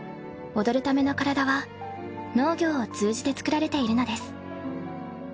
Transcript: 踊るための体は農業を通じて作られているのです。